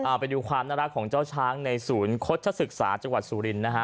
เอาไปดูความน่ารักของเจ้าช้างในศูนย์โฆษศึกษาจังหวัดสุรินทร์นะฮะ